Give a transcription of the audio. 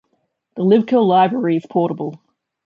The libcurl library is portable.